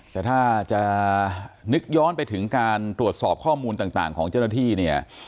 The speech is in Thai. แต่ถ้าจะนึกย้อนไปถึงการตรวจสอบข้อมูลต่างของเจ้าหน้าที่เนี่ย